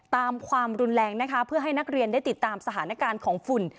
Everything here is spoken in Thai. ความรุนแรงนะคะเพื่อให้นักเรียนได้ติดตามสถานการณ์ของฝุ่น